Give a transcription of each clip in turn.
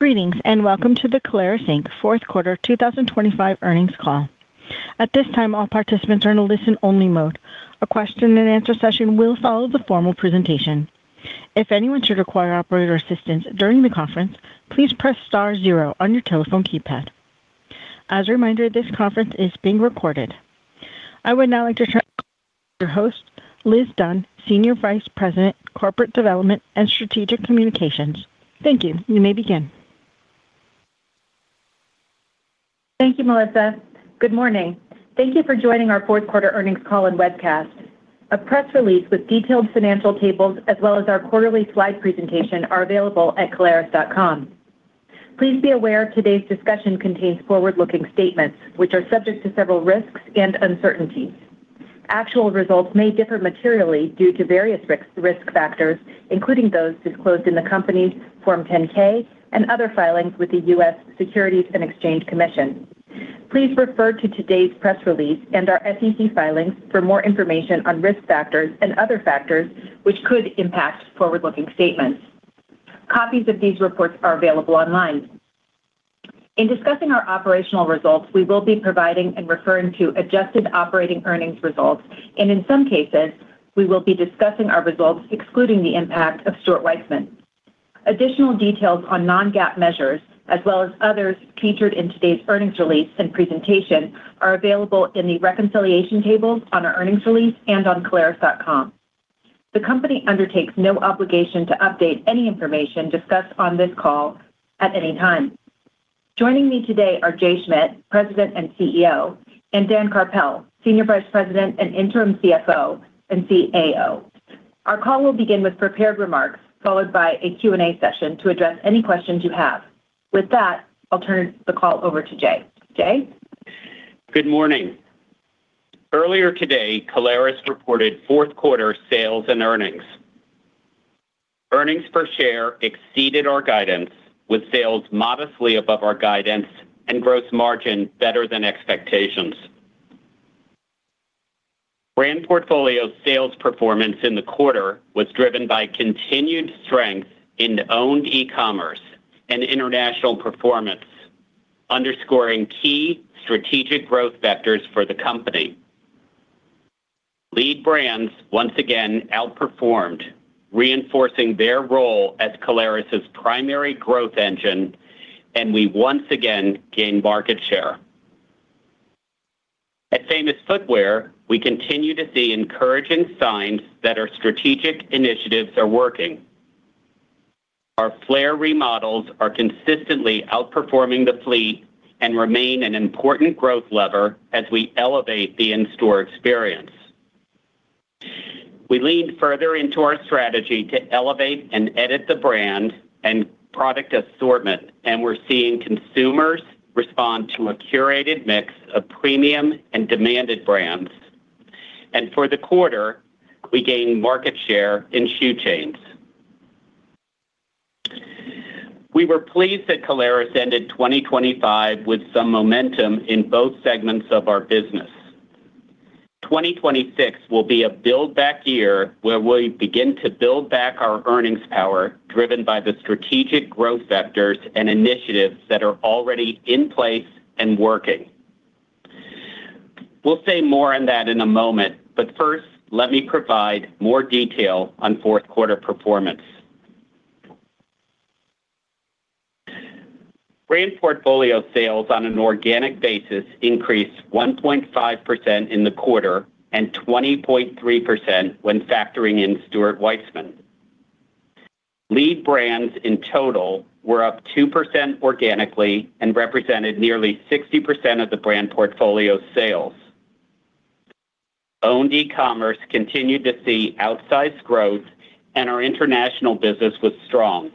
Greetings, and welcome to the Caleres, Inc. fourth quarter 2025 earnings call. At this time, all participants are in a listen-only mode. A question and answer session will follow the formal presentation. If anyone should require operator assistance during the conference, please press star zero on your telephone keypad. As a reminder, this conference is being recorded. I would now like to turn to your host, Liz Dunn, Senior Vice President, Corporate Development and Strategic Communications. Thank you. You may begin. Thank you, Melissa. Good morning. Thank you for joining our fourth quarter earnings call and webcast. A press release with detailed financial tables, as well as our quarterly slide presentation are available at caleres.com. Please be aware today's discussion contains forward-looking statements which are subject to several risks and uncertainties. Actual results may differ materially due to various risk factors, including those disclosed in the company's Form 10-K and other filings with the U.S. Securities and Exchange Commission. Please refer to today's press release and our SEC filings for more information on risk factors and other factors which could impact forward-looking statements. Copies of these reports are available online. In discussing our operational results, we will be providing and referring to adjusted operating earnings results, and in some cases, we will be discussing our results excluding the impact of Stuart Weitzman. Additional details on non-GAAP measures, as well as others featured in today's earnings release and presentation, are available in the reconciliation tables on our earnings release and on caleres.com. The company undertakes no obligation to update any information discussed on this call at any time. Joining me today are Jay Schmidt, President and CEO, and Dan Karpel, Senior Vice President and Interim CFO and CAO. Our call will begin with prepared remarks followed by a Q&A session to address any questions you have. With that, I'll turn the call over to Jay. Jay? Good morning. Earlier today, Caleres reported fourth quarter sales and earnings. Earnings per share exceeded our guidance with sales modestly above our guidance and gross margin better than expectations. Brand portfolio sales performance in the quarter was driven by continued strength in owned e-commerce and international performance, underscoring key strategic growth vectors for the company. Lead brands once again outperformed, reinforcing their role as Caleres' primary growth engine, and we once again gained market share. At Famous Footwear, we continue to see encouraging signs that our strategic initiatives are working. Our FLAIR remodels are consistently outperforming the fleet and remain an important growth lever as we elevate the in-store experience. We leaned further into our strategy to elevate and edit the brand and product assortment, and we're seeing consumers respond to a curated mix of premium and demanded brands. For the quarter, we gained market share in shoe chains. We were pleased that Caleres ended 2025 with some momentum in both segments of our business. 2026 will be a buildback year where we begin to build back our earnings power driven by the strategic growth vectors and initiatives that are already in place and working. We'll say more on that in a moment, but first, let me provide more detail on fourth quarter performance. Brand portfolio sales on an organic basis increased 1.5% in the quarter and 20.3% when factoring in Stuart Weitzman. Lead brands in total were up 2% organically and represented nearly 60% of the brand portfolio sales. Owned e-commerce continued to see outsized growth, and our international business was strong.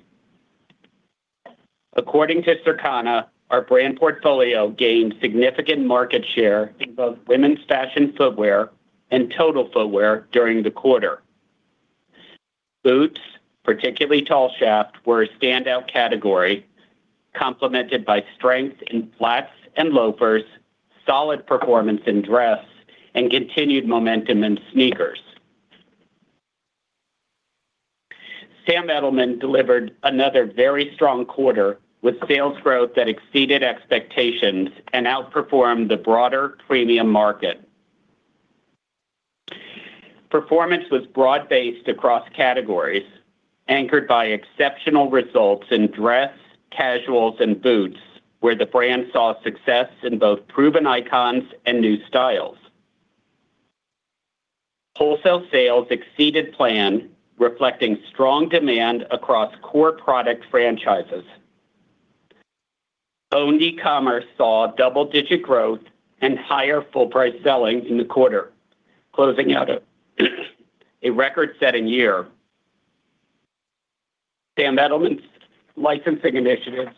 According to Circana, our brand portfolio gained significant market share in both women's fashion footwear and total footwear during the quarter. Boots, particularly tall shaft, were a standout category complemented by strength in flats and loafers, solid performance in dress, and continued momentum in sneakers. Sam Edelman delivered another very strong quarter with sales growth that exceeded expectations and outperformed the broader premium market. Performance was broad-based across categories, anchored by exceptional results in dress, casuals, and boots, where the brand saw success in both proven icons and new styles. Wholesale sales exceeded plan, reflecting strong demand across core product franchises. Owned e-commerce saw double-digit growth and higher full price selling in the quarter, closing out a record-setting year. Sam Edelman's licensing initiatives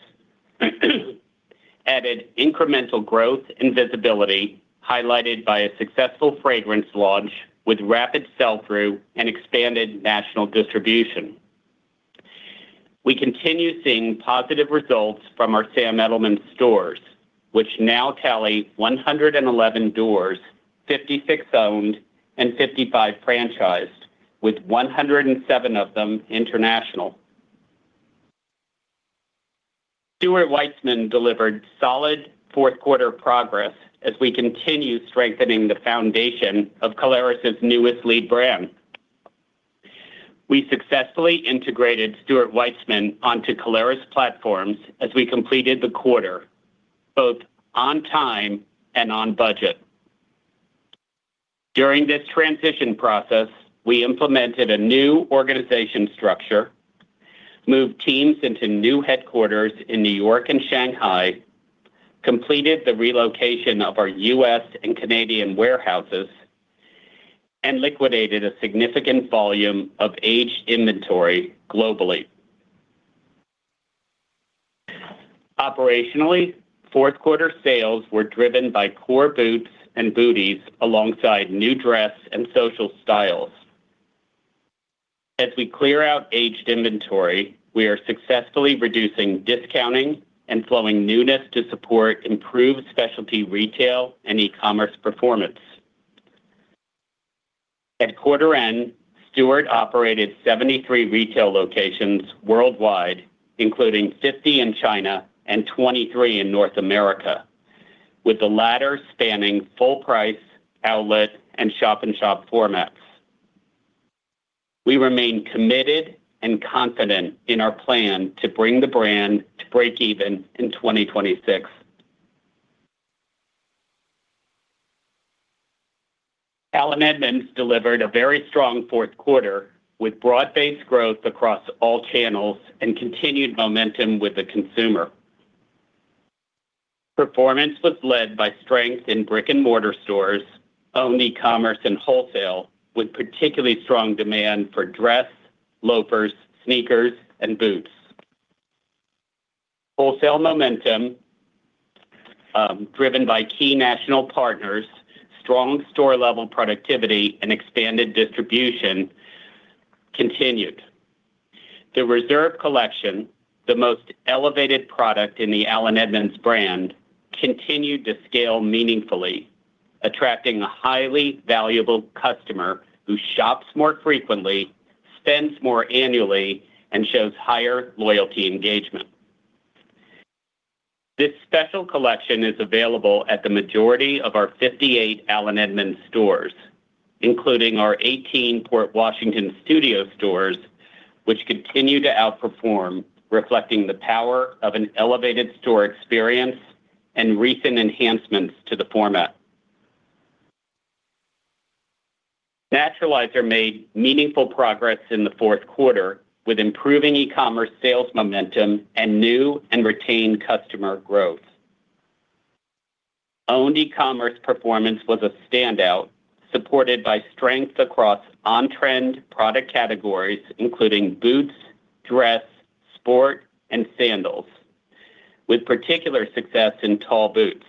added incremental growth and visibility, highlighted by a successful fragrance launch with rapid sell-through and expanded national distribution. We continue seeing positive results from our Sam Edelman stores. Which now tally 111 doors, 56 owned and 55 franchised with 107 of them international. Stuart Weitzman delivered solid fourth quarter progress as we continue strengthening the foundation of Caleres' newest lead brand. We successfully integrated Stuart Weitzman onto Caleres platforms as we completed the quarter, both on time and on budget. During this transition process, we implemented a new organizational structure, moved teams into new headquarters in New York and Shanghai, completed the relocation of our U.S. and Canadian warehouses, and liquidated a significant volume of aged inventory globally. Operationally, fourth quarter sales were driven by core boots and booties alongside new dress and social styles. As we clear out aged inventory, we are successfully reducing discounting and flowing newness to support improved specialty retail and e-commerce performance. At quarter end, Stuart Weitzman operated 73 retail locations worldwide, including 50 in China and 23 in North America, with the latter spanning full price outlet and shop-in-shop formats. We remain committed and confident in our plan to bring the brand to break even in 2026. Allen Edmonds delivered a very strong fourth quarter with broad-based growth across all channels and continued momentum with the consumer. Performance was led by strength in brick-and-mortar stores, owned e-commerce and wholesale, with particularly strong demand for dress, loafers, sneakers and boots. Wholesale momentum, driven by key national partners, strong store-level productivity and expanded distribution continued. The Reserve collection, the most elevated product in the Allen Edmonds brand, continued to scale meaningfully, attracting a highly valuable customer who shops more frequently, spends more annually, and shows higher loyalty engagement. This special collection is available at the majority of our 58 Allen Edmonds stores, including our 18 Port Washington studio stores, which continue to outperform, reflecting the power of an elevated store experience and recent enhancements to the format. Naturalizer made meaningful progress in the fourth quarter with improving e-commerce sales momentum and new and retained customer growth. Owned e-commerce performance was a standout, supported by strength across on-trend product categories including boots, dress, sport, and sandals, with particular success in tall boots.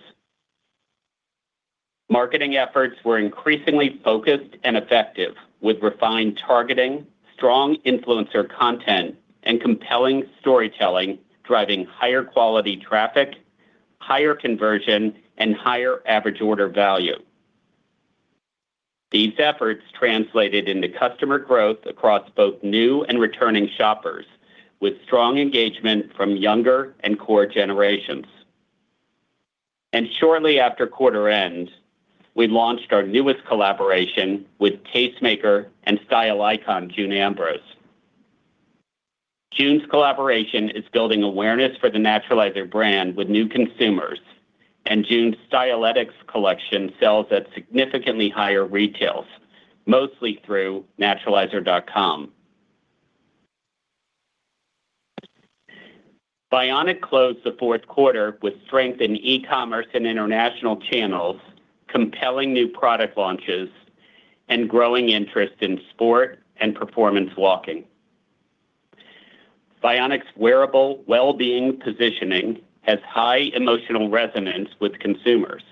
Marketing efforts were increasingly focused and effective, with refined targeting, strong influencer content, and compelling storytelling driving higher quality traffic, higher conversion, and higher average order value. These efforts translated into customer growth across both new and returning shoppers, with strong engagement from younger and core generations. Shortly after quarter end, we launched our newest collaboration with tastemaker and style icon June Ambrose. June's collaboration is building awareness for the Naturalizer brand with new consumers, and June's STYLE-LETICS collection sells at significantly higher retails, mostly through naturalizer.com. Vionic closed the fourth quarter with strength in e-commerce and international channels, compelling new product launches, and growing interest in sport and performance walking. Vionic's wearable well-being positioning has high emotional resonance with consumers.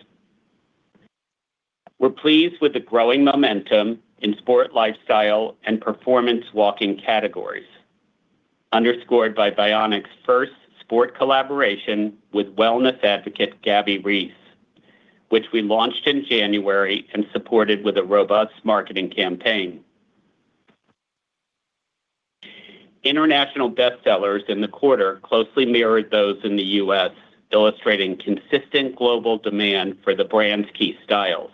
We're pleased with the growing momentum in sport lifestyle and performance walking categories, underscored by Vionic's first sport collaboration with wellness advocate Gabby Reece, which we launched in January and supported with a robust marketing campaign. International bestsellers in the quarter closely mirrored those in the U.S., illustrating consistent global demand for the brand's key styles.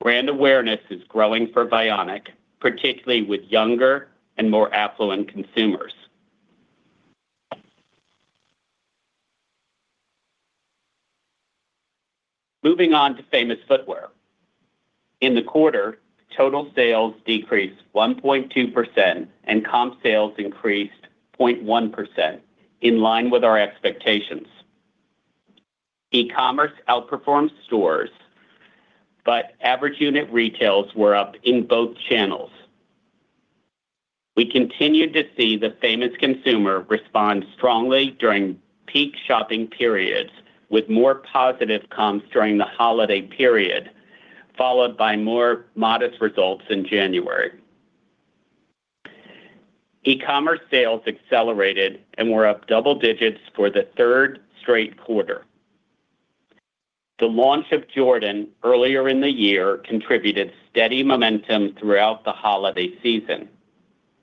Brand awareness is growing for Vionic, particularly with younger and more affluent consumers. Moving on to Famous Footwear. In the quarter, total sales decreased 1.2% and comp sales increased 0.1% in line with our expectations. E-commerce outperformed stores, but average unit retails were up in both channels. We continued to see the Famous consumer respond strongly during peak shopping periods with more positive comps during the holiday period, followed by more modest results in January. E-commerce sales accelerated and were up double digits for the third straight quarter. The launch of Jordan earlier in the year contributed steady momentum throughout the holiday season,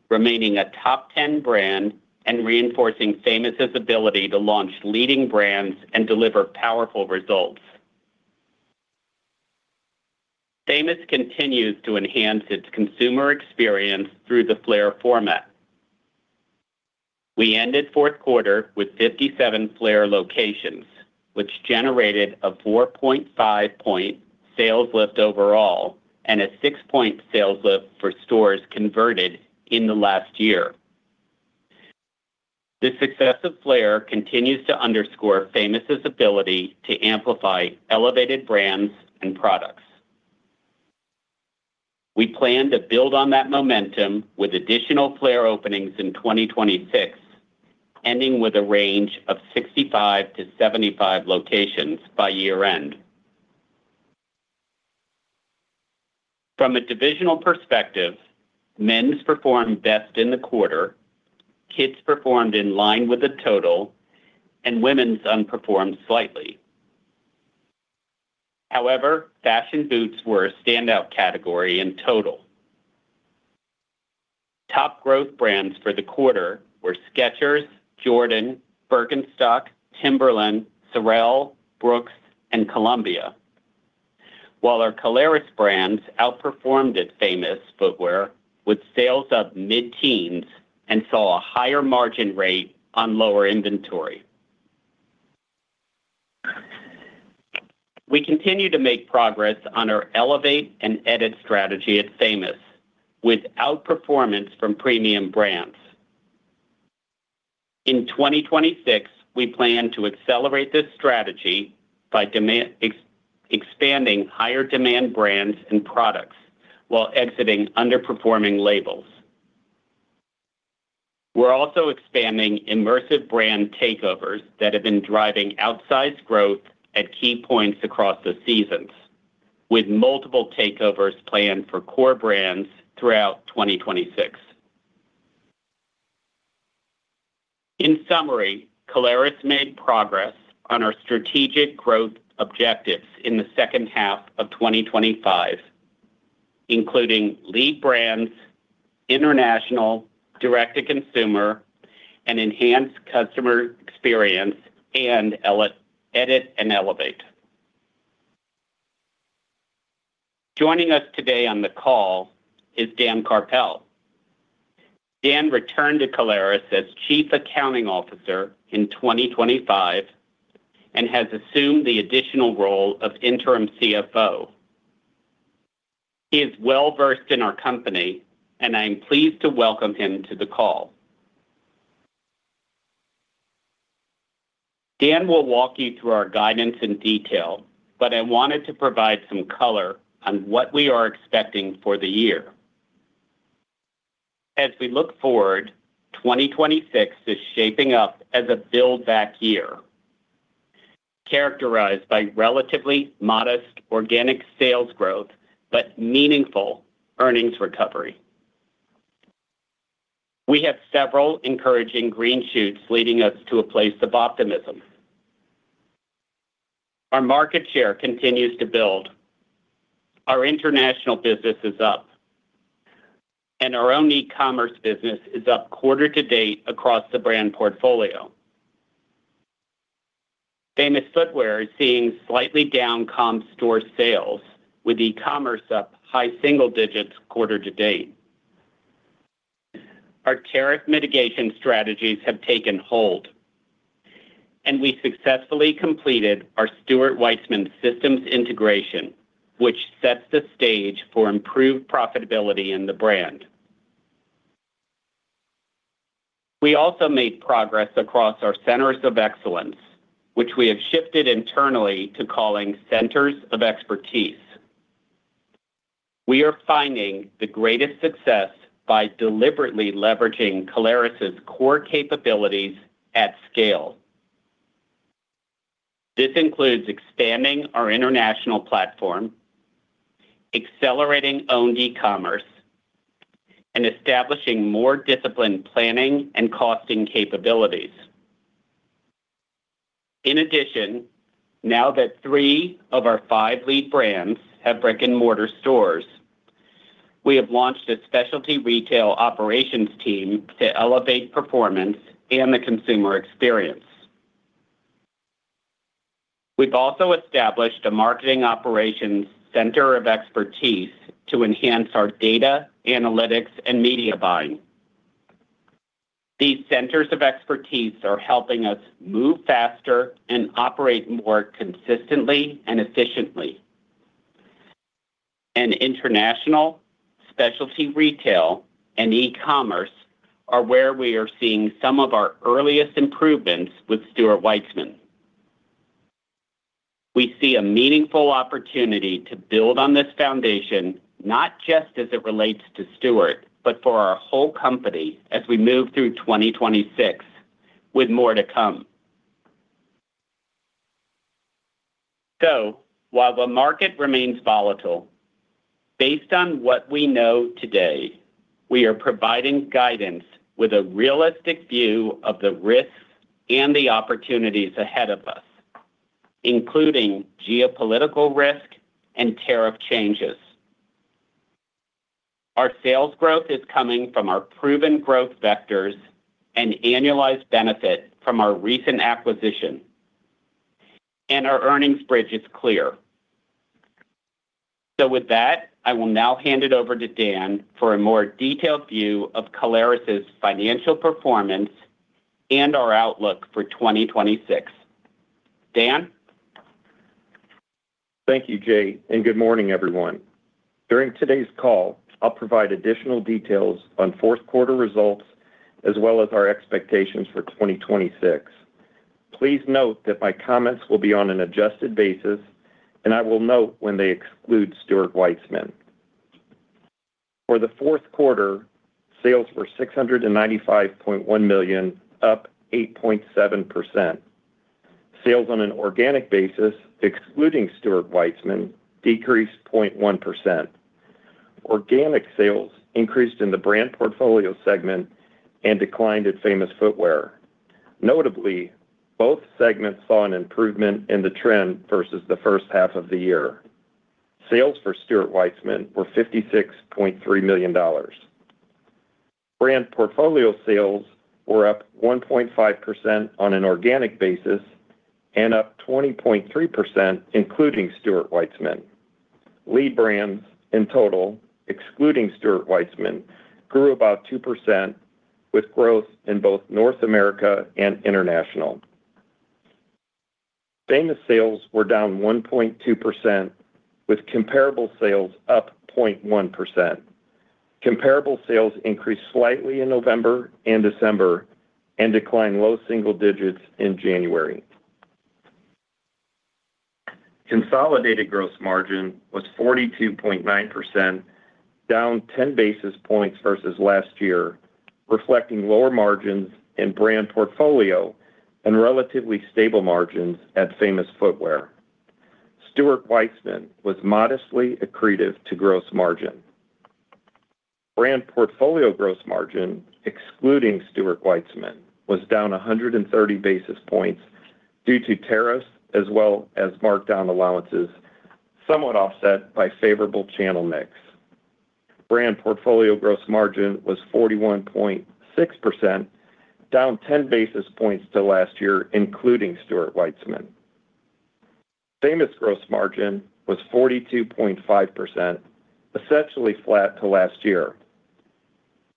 remaining a top 10 brand and reinforcing Famous's ability to launch leading brands and deliver powerful results. Famous continues to enhance its consumer experience through the FLAIR format. We ended fourth quarter with 57 FLAIR locations, which generated a 4.5-point sales lift overall and a 6-point sales lift for stores converted in the last year. The success of FLAIR continues to underscore Famous's ability to amplify elevated brands and products. We plan to build on that momentum with additional FLAIR openings in 2026, ending with a range of 65 to 75 locations by year-end. From a divisional perspective, men's performed best in the quarter, kids performed in line with the total, and women's underperformed slightly. However, fashion boots were a standout category in total. Top growth brands for the quarter were Skechers, Jordan, Birkenstock, Timberland, Sorel, Brooks, and Columbia, while our Caleres brands outperformed at Famous Footwear with sales up mid-teens and saw a higher margin rate on lower inventory. We continue to make progress on our elevate and edit strategy at Famous with outperformance from premium brands. In 2026, we plan to accelerate this strategy by expanding higher demand brands and products while exiting underperforming labels. We're also expanding immersive brand takeovers that have been driving outsized growth at key points across the seasons, with multiple takeovers planned for core brands throughout 2026. In summary, Caleres made progress on our strategic growth objectives in the second half of 2025, including lead brands, international, direct-to-consumer, enhanced customer experience, edit and elevate. Joining us today on the call is Dan Karpel. Dan returned to Caleres as Chief Accounting Officer in 2025 and has assumed the additional role of Interim CFO. He is well-versed in our company, and I am pleased to welcome him to the call. Dan will walk you through our guidance in detail, but I wanted to provide some color on what we are expecting for the year. As we look forward, 2026 is shaping up as a build-back year, characterized by relatively modest organic sales growth but meaningful earnings recovery. We have several encouraging green shoots leading us to a place of optimism. Our market share continues to build. Our international business is up, and our own e-commerce business is up quarter to date across the brand portfolio. Famous Footwear is seeing slightly down comp store sales, with e-commerce up high single digits quarter to date. Our tariff mitigation strategies have taken hold, and we successfully completed our Stuart Weitzman systems integration, which sets the stage for improved profitability in the brand. We also made progress across our centers of excellence, which we have shifted internally to calling centers of expertise. We are finding the greatest success by deliberately leveraging Caleres' core capabilities at scale. This includes expanding our international platform, accelerating owned e-commerce, and establishing more disciplined planning and costing capabilities. In addition, now that three of our five lead brands have brick-and-mortar stores, we have launched a specialty retail operations team to elevate performance and the consumer experience. We've also established a marketing operations center of expertise to enhance our data, analytics, and media buying. These centers of expertise are helping us move faster and operate more consistently and efficiently. International, specialty retail, and e-commerce are where we are seeing some of our earliest improvements with Stuart Weitzman. We see a meaningful opportunity to build on this foundation, not just as it relates to Stuart, but for our whole company as we move through 2026 with more to come. While the market remains volatile, based on what we know today, we are providing guidance with a realistic view of the risks and the opportunities ahead of us, including geopolitical risk and tariff changes. Our sales growth is coming from our proven growth vectors and annualized benefit from our recent acquisition, and our earnings bridge is clear. With that, I will now hand it over to Dan for a more detailed view of Caleres' financial performance and our outlook for 2026. Dan? Thank you, Jay, and good morning, everyone. During today's call, I'll provide additional details on fourth quarter results as well as our expectations for 2026. Please note that my comments will be on an adjusted basis, and I will note when they exclude Stuart Weitzman. For the fourth quarter, sales were $695.1 million, up 8.7%. Sales on an organic basis, excluding Stuart Weitzman, decreased 0.1%. Organic sales increased in the brand portfolio segment and declined at Famous Footwear. Notably, both segments saw an improvement in the trend versus the first half of the year. Sales for Stuart Weitzman were $56.3 million. Brand portfolio sales were up 1.5% on an organic basis and up 20.3% including Stuart Weitzman. Lead brands in total, excluding Stuart Weitzman, grew about 2% with growth in both North America and international. Famous Footwear sales were down 1.2% with comparable sales up 0.1%. Comparable sales increased slightly in November and December and declined low single digits in January. Consolidated gross margin was 42.9%, down 10 basis points versus last year, reflecting lower margins in brand portfolio and relatively stable margins at Famous Footwear. Stuart Weitzman was modestly accretive to gross margin. Brand portfolio gross margin, excluding Stuart Weitzman, was down 130 basis points due to tariffs as well as markdown allowances somewhat offset by favorable channel mix. Brand portfolio gross margin was 41.6%, down 10 basis points from last year, including Stuart Weitzman. Famous gross margin was 42.5%, essentially flat to last year,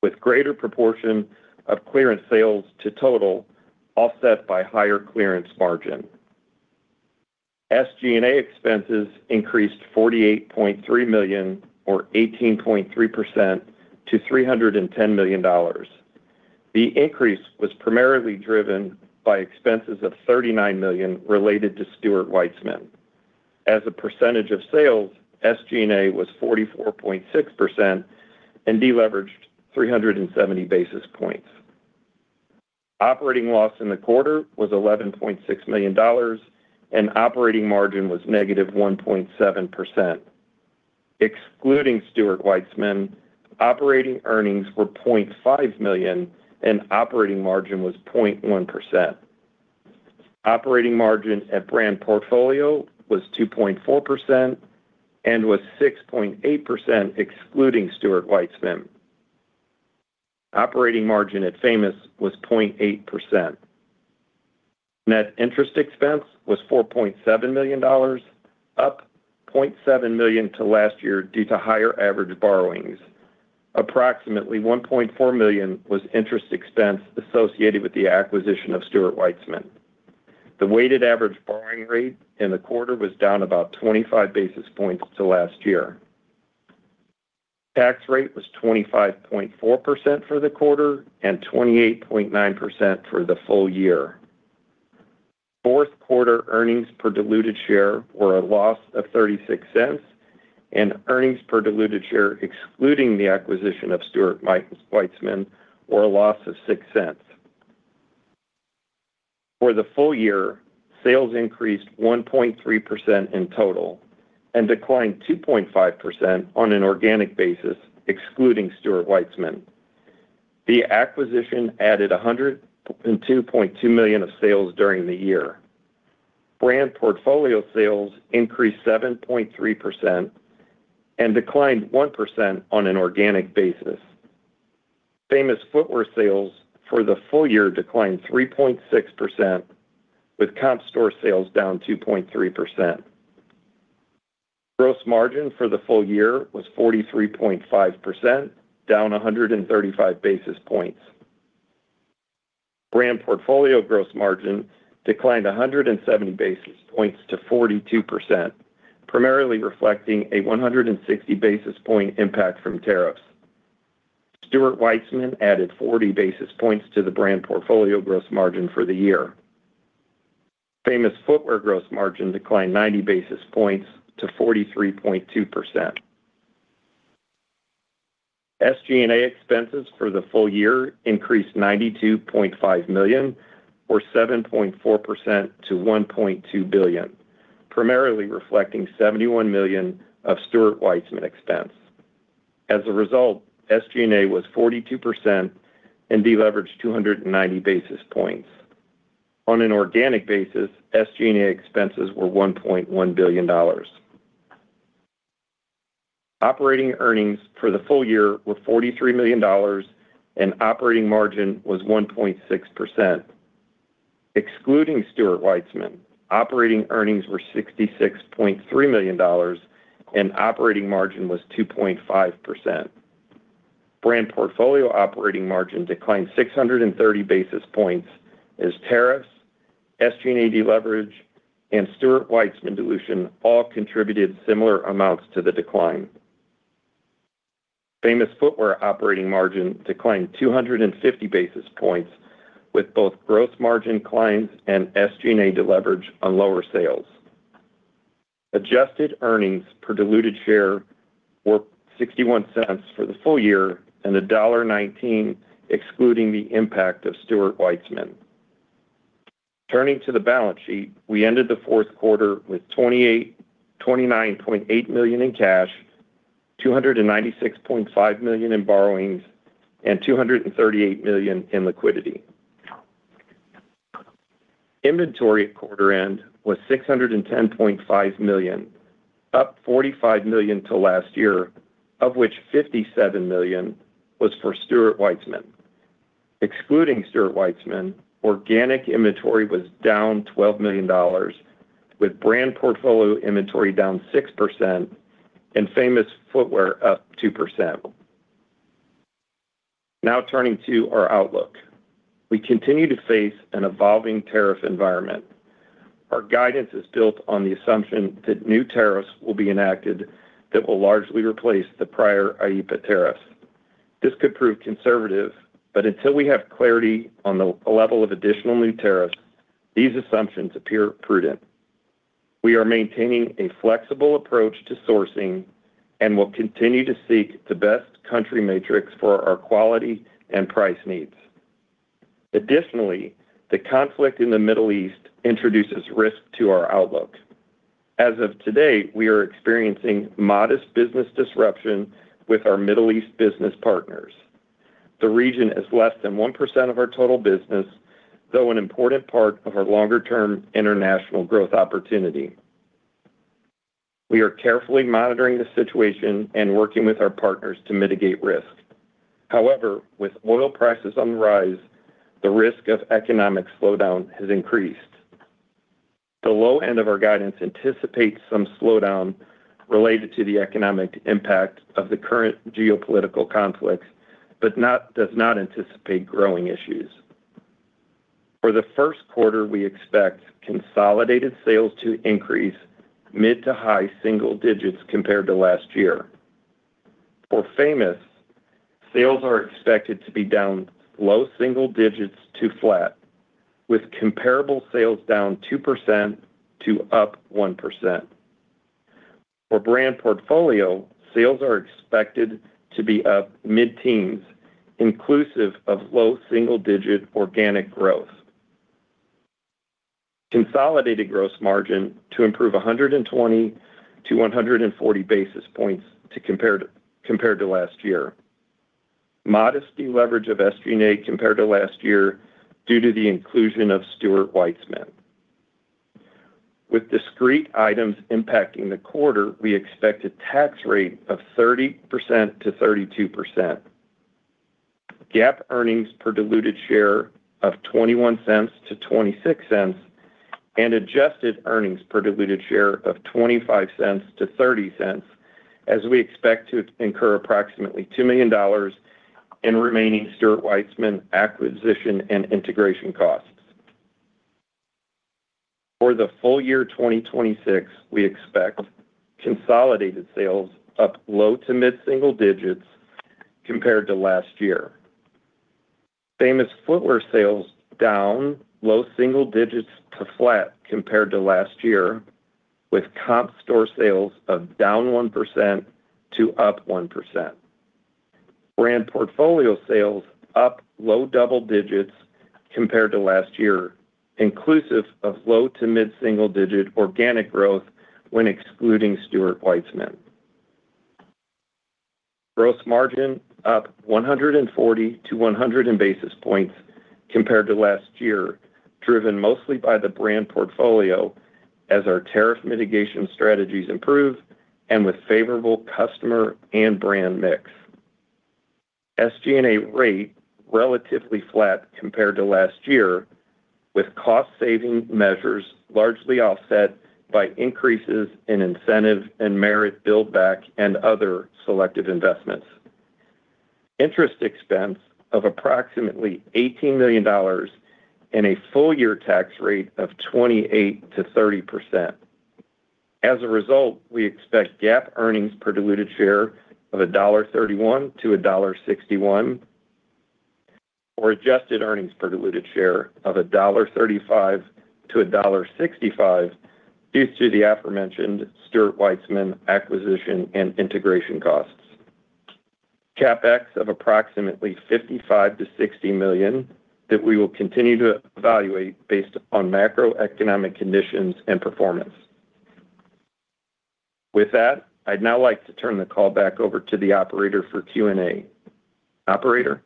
with greater proportion of clearance sales to total offset by higher clearance margin. SG&A expenses increased $48.3 million or 18.3% to $310 million. The increase was primarily driven by expenses of $39 million related to Stuart Weitzman. As a percentage of sales, SG&A was 44.6% and deleveraged 370 basis points. Operating loss in the quarter was $11.6 million and operating margin was -1.7%. Excluding Stuart Weitzman, operating earnings were $0.5 million and operating margin was 0.1%. Operating margin at brand portfolio was 2.4% and was 6.8% excluding Stuart Weitzman. Operating margin at Famous was 0.8%. Net interest expense was $4.7 million, up $0.7 million to last year due to higher average borrowings. Approximately $1.4 million was interest expense associated with the acquisition of Stuart Weitzman. The weighted average borrowing rate in the quarter was down about 25 basis points to last year. Tax rate was 25.4% for the quarter and 28.9% for the full year. Fourth quarter earnings per diluted share were a loss of $0.36 and earnings per diluted share excluding the acquisition of Stuart Weitzman were a loss of $0.06. For the full year, sales increased 1.3% in total and declined 2.5% on an organic basis excluding Stuart Weitzman. The acquisition added $102.2 million of sales during the year. Brand portfolio sales increased 7.3% and declined 1% on an organic basis. Famous Footwear sales for the full year declined 3.6% with comp store sales down 2.3%. Gross margin for the full year was 43.5%, down 135 basis points. Brand portfolio gross margin declined 170 basis points to 42%, primarily reflecting a 160 basis point impact from tariffs. Stuart Weitzman added 40 basis points to the brand portfolio gross margin for the year. Famous Footwear gross margin declined 90 basis points to 43.2%. SG&A expenses for the full year increased $92.5 million or 7.4% to $1.2 billion, primarily reflecting $71 million of Stuart Weitzman expense. As a result, SG&A was 42% and deleveraged 290 basis points. On an organic basis, SG&A expenses were $1.1 billion. Operating earnings for the full year were $43 million and operating margin was 1.6%. Excluding Stuart Weitzman, operating earnings were $66.3 million and operating margin was 2.5%. Brand portfolio operating margin declined 630 basis points as tariffs, SG&A deleverage, and Stuart Weitzman dilution all contributed similar amounts to the decline. Famous Footwear operating margin declined 250 basis points with both gross margin declines and SG&A deleverage on lower sales. Adjusted earnings per diluted share were $0.61 for the full year and $1.19 excluding the impact of Stuart Weitzman. Turning to the balance sheet, we ended the fourth quarter with $282.9 million in cash, $296.5 million in borrowings, and $238 million in liquidity. Inventory at quarter end was $610.5 million, up $45 million to last year, of which $57 million was for Stuart Weitzman. Excluding Stuart Weitzman, organic inventory was down $12 million with brand portfolio inventory down 6% and Famous Footwear up 2%. Now turning to our outlook. We continue to face an evolving tariff environment. Our guidance is built on the assumption that new tariffs will be enacted that will largely replace the prior IEEPA tariffs. This could prove conservative, but until we have clarity on the level of additional new tariffs, these assumptions appear prudent. We are maintaining a flexible approach to sourcing and will continue to seek the best country matrix for our quality and price needs. Additionally, the conflict in the Middle East introduces risk to our outlook. As of today, we are experiencing modest business disruption with our Middle East business partners. The region is less than 1% of our total business, though an important part of our longer-term international growth opportunity. We are carefully monitoring the situation and working with our partners to mitigate risk. However, with oil prices on the rise, the risk of economic slowdown has increased. The low end of our guidance anticipates some slowdown related to the economic impact of the current geopolitical conflicts but does not anticipate growing issues. For the first quarter, we expect consolidated sales to increase mid to high single digits compared to last year. For Famous, sales are expected to be down low single digits to flat, with comparable sales down 2% to up 1%. For brand portfolio, sales are expected to be up mid-teens, inclusive of low single-digit organic growth. Consolidated gross margin to improve 120 to 140 basis points compared to last year. Modest deleverage of SG&A compared to last year due to the inclusion of Stuart Weitzman. With discrete items impacting the quarter, we expect a tax rate of 30%-32%. GAAP earnings per diluted share of $0.21-$0.26 and adjusted earnings per diluted share of $0.25-$0.30 as we expect to incur approximately $2 million in remaining Stuart Weitzman acquisition and integration costs. For the full year 2026, we expect consolidated sales up low- to mid-single digits compared to last year. Famous Footwear sales down low-single digits to flat compared to last year, with comp store sales down 1% to up 1%. Brand portfolio sales up low double digits compared to last year, inclusive of low- to mid-single-digit organic growth when excluding Stuart Weitzman. Gross margin up 140 to 150 basis points compared to last year, driven mostly by the brand portfolio as our tariff mitigation strategies improve and with favorable customer and brand mix. SG&A rate relatively flat compared to last year, with cost-saving measures largely offset by increases in incentive and merit build back and other selective investments. Interest expense of approximately $18 million and a full year tax rate of 28%-30%. As a result, we expect GAAP earnings per diluted share of $1.31-$1.61. Adjusted earnings per diluted share of $1.35-$1.65 due to the aforementioned Stuart Weitzman acquisition and integration costs. CapEx of approximately $55 million-$60 million that we will continue to evaluate based on macroeconomic conditions and performance. With that, I'd now like to turn the call back over to the operator for Q&A. Operator?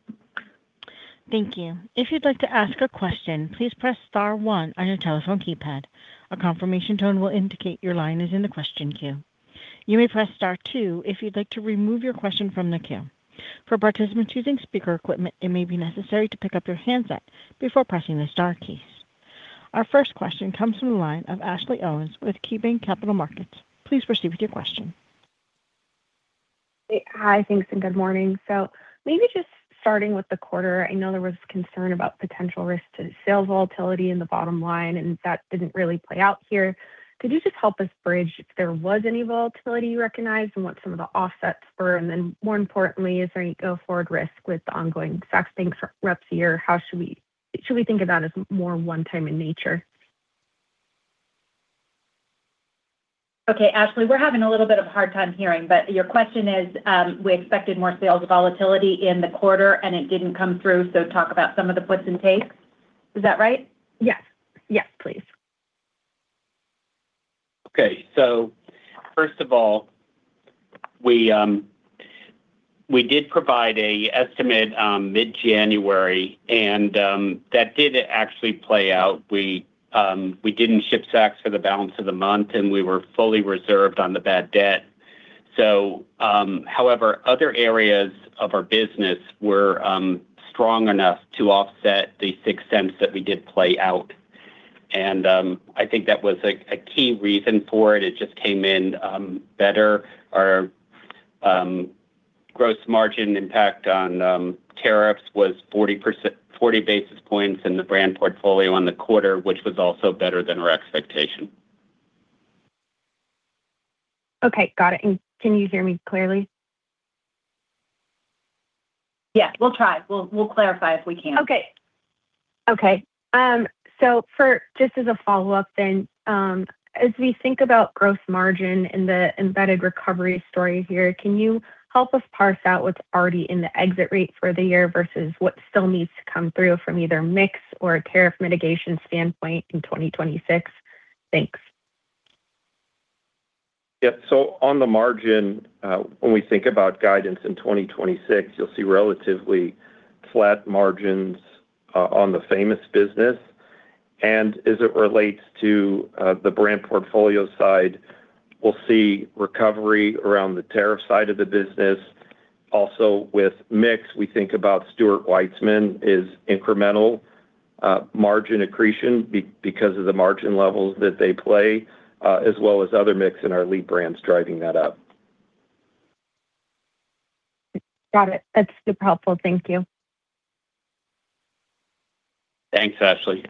Thank you. If you'd like to ask a question, please press star one on your telephone keypad. A confirmation tone will indicate your line is in the question queue. You may press star two if you'd like to remove your question from the queue. For participants using speaker equipment, it may be necessary to pick up your handset before pressing the star keys. Our first question comes from the line of Ashley Owens with KeyBanc Capital Markets. Please proceed with your question. Hi, thanks and good morning. Maybe just starting with the quarter, I know there was concern about potential risk to sales volatility in the bottom line, and that didn't really play out here. Could you just help us bridge if there was any volatility you recognized and what some of the offsets were? Then more importantly, is there any go-forward risk with the ongoing Saks bankruptcy here? How should we think about as more one-time in nature? Okay, Ashley, we're having a little bit of a hard time hearing, but your question is, we expected more sales volatility in the quarter and it didn't come through, so talk about some of the puts and takes. Is that right? Yes. Yes, please. Okay. First of all, we did provide an estimate mid-January, and that did actually play out. We didn't ship Saks for the balance of the month, and we were fully reserved on the bad debt. However, other areas of our business were strong enough to offset the $0.06 that we did play out. I think that was a key reason for it. It just came in better. Our gross margin impact on tariffs was 40 basis points in the brand portfolio on the quarter, which was also better than our expectation. Okay. Got it. Can you hear me clearly? Yeah, we'll try. We'll clarify if we can. Just as a follow-up then, as we think about gross margin in the embedded recovery story here, can you help us parse out what's already in the exit rate for the year versus what still needs to come through from either mix or a tariff mitigation standpoint in 2026? Thanks. Yeah. On the margin, when we think about guidance in 2026, you'll see relatively flat margins on the Famous business. As it relates to the brand portfolio side, we'll see recovery around the tariff side of the business. Also with mix, we think about Stuart Weitzman is incremental margin accretion because of the margin levels that they play, as well as other mix in our lead brands driving that up. Got it. That's super helpful. Thank you. Thanks, Ashley.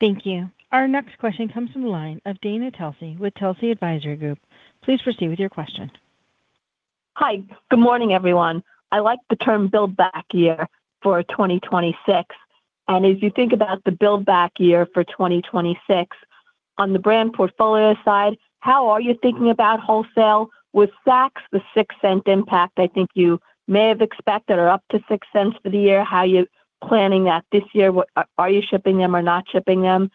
Thank you. Our next question comes from the line of Dana Telsey with Telsey Advisory Group. Please proceed with your question. Hi. Good morning, everyone. I like the term build back year for 2026. As you think about the build back year for 2026, on the brand portfolio side, how are you thinking about wholesale? With Saks, the $0.06 impact, I think you may have expected or up to $0.06 for the year, how are you planning that this year? Are you shipping them or not shipping them?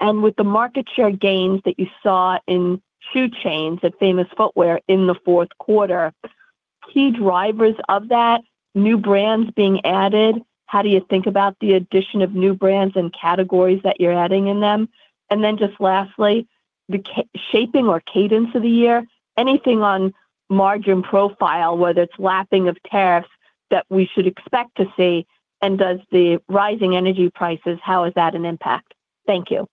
With the market share gains that you saw in shoe chains at Famous Footwear in the fourth quarter, key drivers of that, new brands being added, how do you think about the addition of new brands and categories that you're adding in them? Then just lastly, the shaping or cadence of the year, anything on margin profile, whether it's lapping of tariffs that we should expect to see? Does the rising energy prices, how is that an impact? Thank you.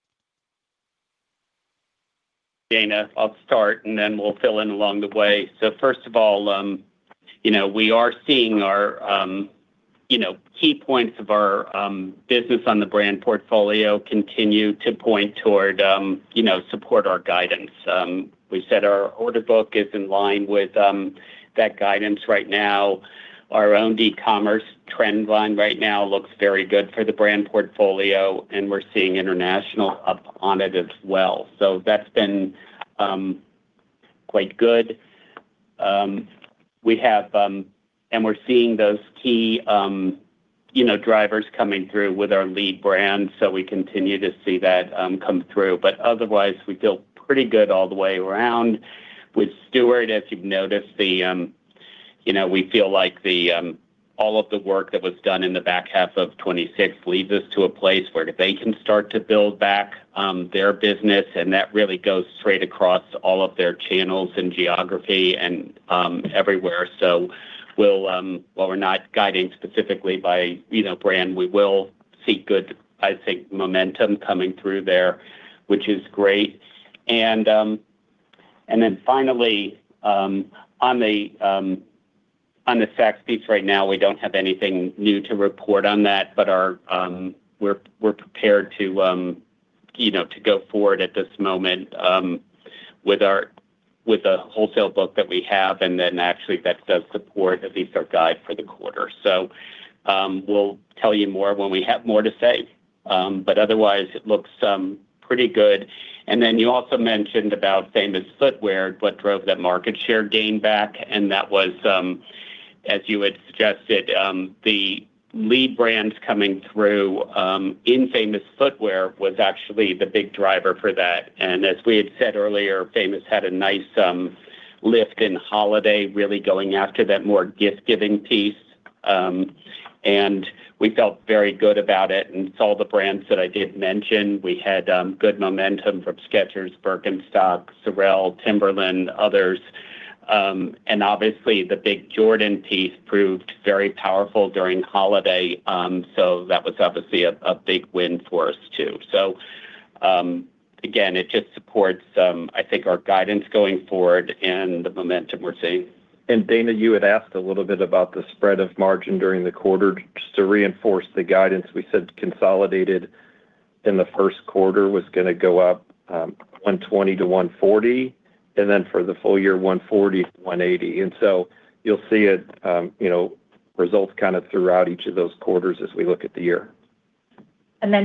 Dana, I'll start, and then we'll fill in along the way. First of all, you know, we are seeing our, you know, key points of our, business on the brand portfolio continue to point toward, you know, support our guidance. We said our order book is in line with that guidance right now. Our own e-commerce trend line right now looks very good for the brand portfolio, and we're seeing international up on it as well. That's been quite good. We're seeing those key, you know, drivers coming through with our lead brand, so we continue to see that come through. Otherwise, we feel pretty good all the way around. With Stuart Weitzman, as you've noticed, you know, we feel like all of the work that was done in the back half of 2026 leads us to a place where they can start to build back their business, and that really goes straight across all of their channels and geography and everywhere. We'll, while we're not guiding specifically by, you know, brand, see good, I think, momentum coming through there, which is great. Then finally, on the Saks Fifth Avenue right now, we don't have anything new to report on that, but we're prepared to, you know, go forward at this moment with our wholesale book that we have, and then actually that does support at least our guide for the quarter. We'll tell you more when we have more to say. Otherwise it looks pretty good. Then you also mentioned about Famous Footwear, what drove that market share gain back, and that was, as you had suggested, the lead brands coming through. Famous Footwear was actually the big driver for that. As we had said earlier, Famous Footwear had a nice lift in holiday, really going after that more gift-giving piece. We felt very good about it. All the brands that I did mention, we had good momentum from Skechers, Birkenstock, Sorel, Timberland, others. Obviously the big Jordan piece proved very powerful during holiday, so that was obviously a big win for us too. Again, it just supports, I think, our guidance going forward and the momentum we're seeing. Dana, you had asked a little bit about the spread of margin during the quarter. Just to reinforce the guidance, we said consolidated in the first quarter was gonna go up, 120-140, and then for the full year, 140-180. You'll see it, you know, results kind of throughout each of those quarters as we look at the year.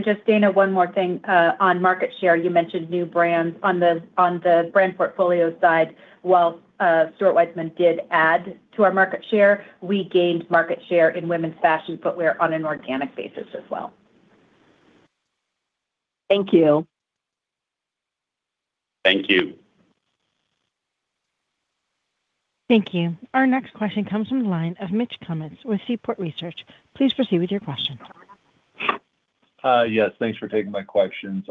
Just Dana, one more thing on market share. You mentioned new brands. On the brand portfolio side, while Stuart Weitzman did add to our market share, we gained market share in women's fashion footwear on an organic basis as well. Thank you. Thank you. Thank you. Our next question comes from the line of Mitch Kummetz with Seaport Research. Please proceed with your question. Yes, thanks for taking my questions.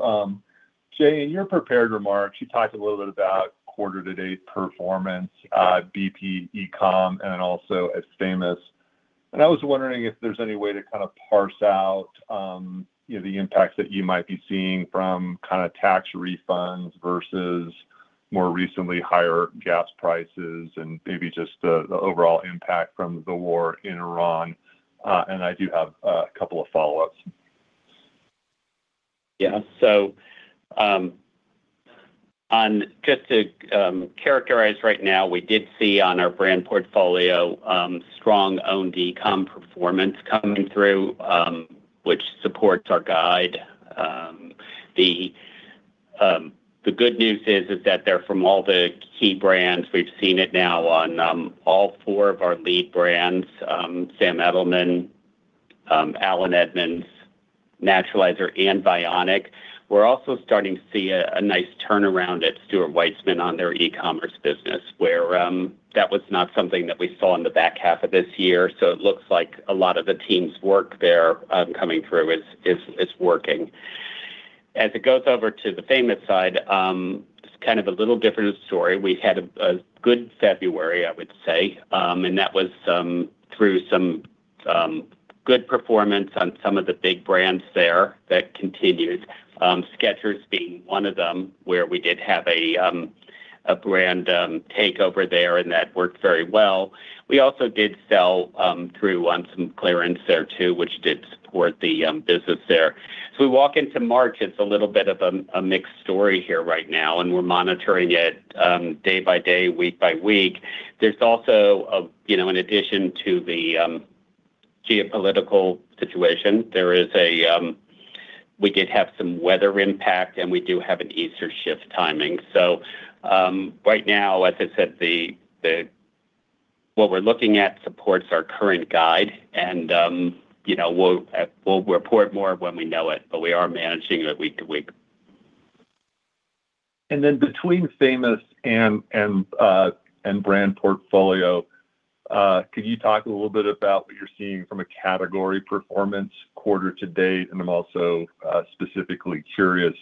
Jay, in your prepared remarks, you talked a little bit about quarter to date performance, BP e-com and also at Famous. I was wondering if there's any way to kind of parse out, you know, the impacts that you might be seeing from kind of tax refunds versus more recently higher gas prices and maybe just the overall impact from the War in Iran. I do have a couple of follow-ups. Just to characterize right now, we did see on our brand portfolio strong own e-com performance coming through, which supports our guide. The good news is that they're from all the key brands. We've seen it now on all four of our lead brands, Sam Edelman, Allen Edmonds, Naturalizer, and Vionic. We're also starting to see a nice turnaround at Stuart Weitzman on their e-commerce business, where that was not something that we saw in the back half of this year. It looks like a lot of the team's work there coming through is working. As it goes over to the Famous side, it's kind of a little different story. We had a good February, I would say, and that was through some good performance on some of the big brands there that continues. Skechers being one of them where we did have a brand takeover there, and that worked very well. We also did sell through some clearance there too, which did support the business there. We walk into March, it's a little bit of a mixed story here right now, and we're monitoring it day by day, week by week. There's also, you know, in addition to the geopolitical situation, we did have some weather impact, and we do have an Easter shift timing. Right now, as I said, what we're looking at supports our current guide and, you know, we'll report more when we know it, but we are managing it week to week. Between Famous and brand portfolio, could you talk a little bit about what you're seeing from a category performance quarter to date? I'm also specifically curious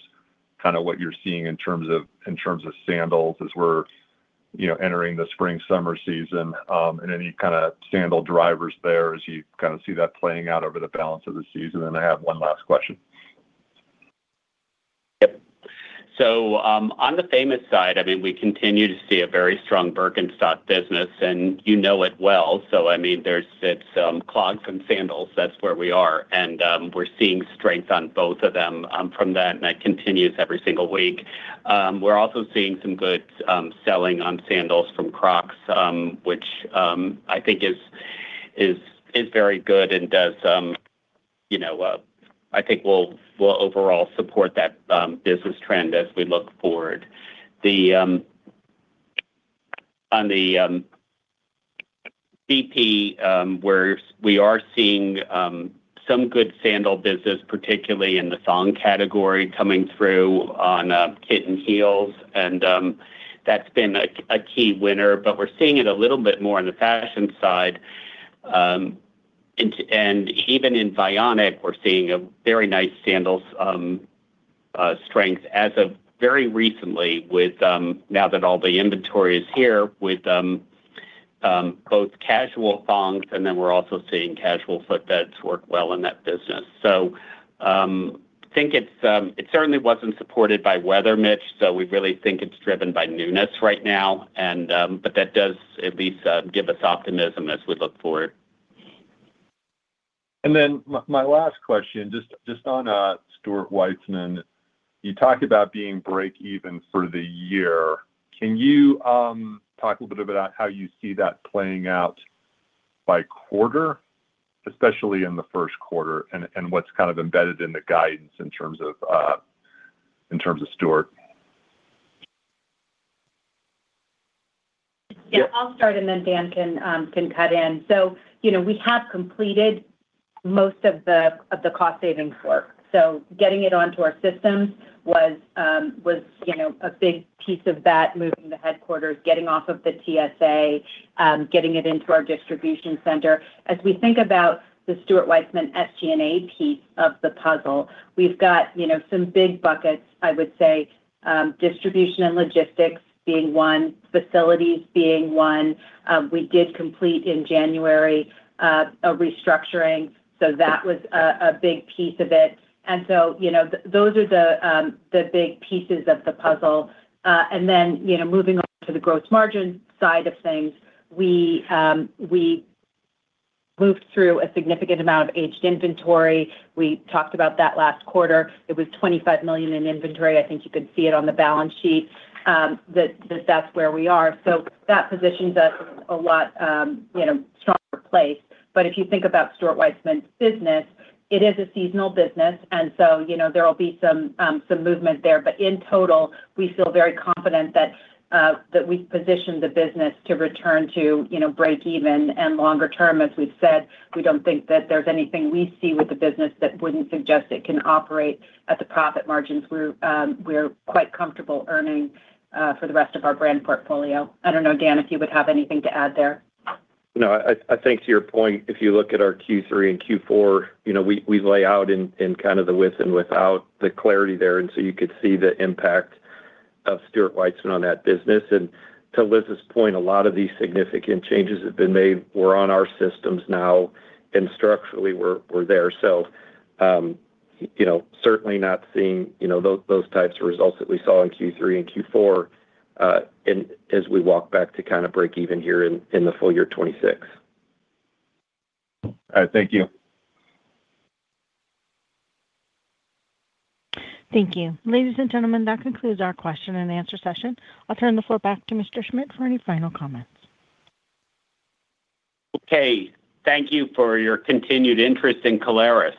kind of what you're seeing in terms of sandals as we're, you know, entering the spring summer season, and any kind of sandal drivers there as you kind of see that playing out over the balance of the season. I have one last question. Yep. On the Famous side, I mean, we continue to see a very strong Birkenstock business, and you know it well. It's clogs and sandals, that's where we are. We're seeing strength on both of them from that, and that continues every single week. We're also seeing some good selling on sandals from Crocs, which I think is very good and does, you know, I think will overall support that business trend as we look forward. On the BP, we are seeing some good sandal business, particularly in the thong category coming through on kitten heels, and that's been a key winner. We're seeing it a little bit more on the fashion side, and even in Vionic, we're seeing a very nice sandals strength as of very recently with now that all the inventory is here with both casual thongs, and then we're also seeing casual footbeds work well in that business. I think it's it certainly wasn't supported by weather, Mitch, so we really think it's driven by newness right now. That does at least give us optimism as we look forward. Then my last question, just on Stuart Weitzman. You talked about being break even for the year. Can you talk a little bit about how you see that playing out by quarter, especially in the first quarter? What's kind of embedded in the guidance in terms of Stuart? Yeah, I'll start, and then Dan can cut in. You know, we have completed most of the cost-saving work. Getting it onto our systems was, you know, a big piece of that, moving the headquarters, getting off of the TSA, getting it into our distribution center. As we think about the Stuart Weitzman SG&A piece of the puzzle, we've got, you know, some big buckets, I would say, distribution and logistics being one, facilities being one. We did complete in January a restructuring, so that was a big piece of it. You know, those are the big pieces of the puzzle. You know, moving on to the gross margin side of things, we moved through a significant amount of aged inventory. We talked about that last quarter. It was $25 million in inventory. I think you could see it on the balance sheet, that's where we are. That positions us a lot, you know, stronger place. If you think about Stuart Weitzman's business, it is a seasonal business. You know, there will be some movement there. In total, we feel very confident that we've positioned the business to return to, you know, break even. Longer term, as we've said, we don't think that there's anything we see with the business that wouldn't suggest it can operate at the profit margins we're quite comfortable earning for the rest of our brand portfolio. I don't know, Dan, if you would have anything to add there. No, I think to your point, if you look at our Q3 and Q4, you know, we lay out in kind of the with and without the clarity there. You could see the impact of Stuart Weitzman on that business. To Liz's point, a lot of these significant changes have been made, we're on our systems now, and structurally we're there. You know, certainly not seeing, you know, those types of results that we saw in Q3 and Q4, as we walk back to kind of break even here in the full year 2026. All right. Thank you. Thank you. Ladies and gentlemen, that concludes our question and answer session. I'll turn the floor back to Mr. Schmidt for any final comments. Okay. Thank you for your continued interest in Caleres.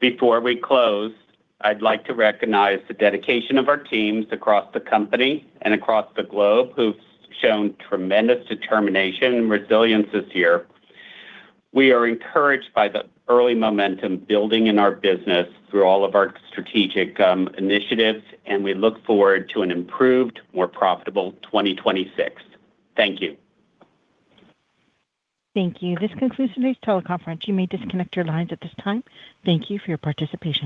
Before we close, I'd like to recognize the dedication of our teams across the company and across the globe who've shown tremendous determination and resilience this year. We are encouraged by the early momentum building in our business through all of our strategic initiatives, and we look forward to an improved, more profitable 2026. Thank you. Thank you. This concludes today's teleconference. You may disconnect your lines at this time. Thank you for your participation.